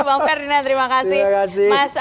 bang ferdinand terima kasih terima kasih